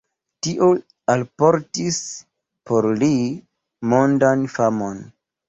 Tio alportis por li mondan famon.